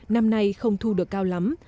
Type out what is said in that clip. năm nay không thu được cao lắm